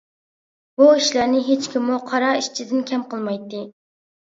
بۇ ئىشلارنى ھېچكىممۇ قارا ئىشچىدىن كەم قىلمايتتى.